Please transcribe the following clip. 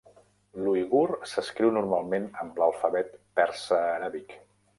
L'uigur s'escriu normalment amb l'alfabet persa-aràbic.